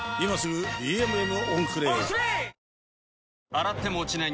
洗っても落ちない